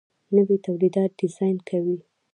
نوي تولیدات ډیزاین کوي.